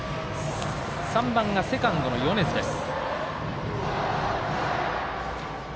３番がセカンドの米津です。